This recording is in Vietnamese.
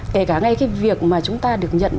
kể cả ngay cái việc mà chúng ta được nhận